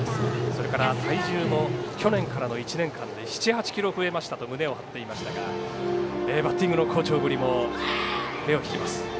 それから体重も去年からの１年間で７８ｋｇ増えましたと胸を張っていましたがバッティングの好調ぶりも目を引きます。